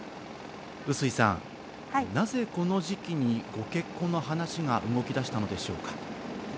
笛吹さん、なぜこの時期にご結婚の話が動き出したのでしょうか？